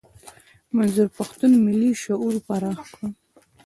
منظور پښتون ملي شعور پراخ کړ.